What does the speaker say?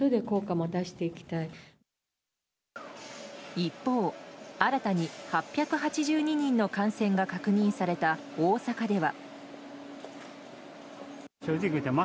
一方、新たに８８２人の感染が確認された大阪では。